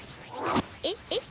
えっ？えっ？